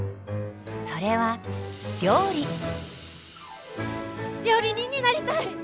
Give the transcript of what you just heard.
それは料理人になりたい！